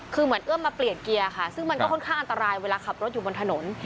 คือเหมือนเอื้อมมาเปลี่ยนเกียร์ค่ะซึ่งมันก็ค่อนข้างอันตรายเวลาขับรถอยู่บนถนน